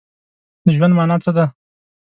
د ژوند مانا څه ده؟